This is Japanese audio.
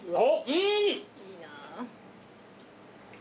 いいな。